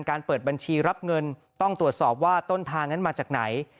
เปิดบัญชีรับเงินต้องตรวจสอบว่าต้นทางนั้นมาจากไหน